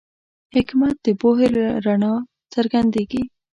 حکمت د پوهې له رڼا څرګندېږي.